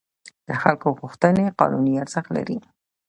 د خلکو غوښتنې قانوني ارزښت لري.